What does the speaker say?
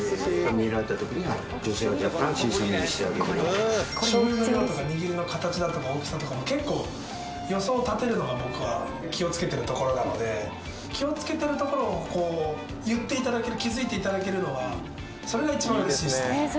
例えば醤油の量とか握りの形だとか大きさとかも結構予想を立てるのが僕は気をつけてるところなので気をつけてるところを言っていただける気づいていただけるのはそれが一番嬉しいですね